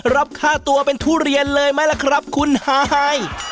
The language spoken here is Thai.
รับค่าตัวเป็นทุเรียนเลยไหมล่ะครับคุณฮาย